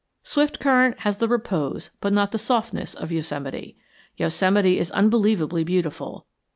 Swiftcurrent has the repose but not the softness of Yosemite. Yosemite is unbelievably beautiful.